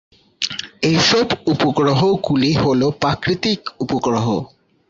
এসব উপগ্রহ গুলি হলো প্রাকৃতিক উপগ্রহ।